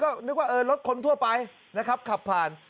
ก็นึกว่าเออรถคนทั่วไปนะครับขับผ่าน